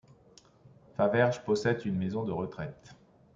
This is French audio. Faverges possède une maison de retraite.